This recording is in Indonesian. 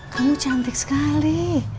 kamu cantik sekali